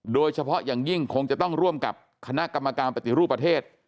โดยเฉพาะอย่างยิ่งคงจะต้องร่วมกับคณะกรรมการปฏิรูปประเทศ